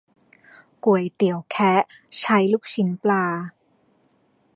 ก๋วยเตี๋ยวแคะ ใช้ลูกชิ้นปลา